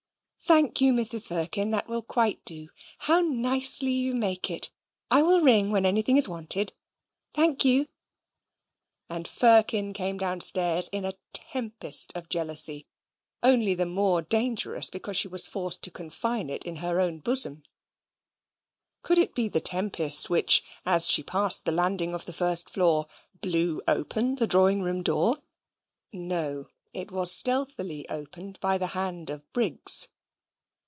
"Thank you, Mrs. Firkin, that will quite do; how nicely you make it! I will ring when anything is wanted." "Thank you"; and Firkin came downstairs in a tempest of jealousy, only the more dangerous because she was forced to confine it in her own bosom. Could it be the tempest which, as she passed the landing of the first floor, blew open the drawing room door? No; it was stealthily opened by the hand of Briggs.